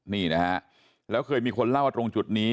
นี่นะฮะแล้วเคยมีคนเล่าว่าตรงจุดนี้